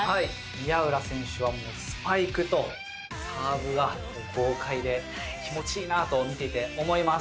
宮浦選手はスパイクとサーブが豪快で気持ちいいなと見ていて思います。